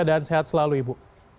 dan sehat selalu ibu